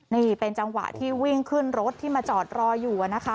นี่เป็นจังหวะที่วิ่งขึ้นรถที่มาจอดรออยู่นะคะ